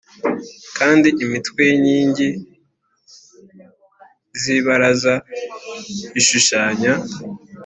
Kandi imitwe y inkingi z ibaraza ishushanywa